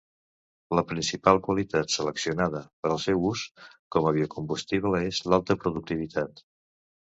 La principal qualitat seleccionada per al seu ús com a biocombustible és l'alta productivitat.